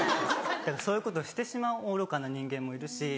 そういうことしてしまう愚かな人間もいるし。